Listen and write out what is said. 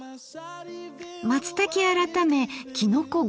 松茸改め「きのこごはん」。